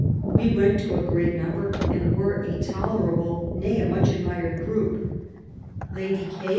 We went to a great number, and were a tolerable, nay, a much admired, group. Lady E.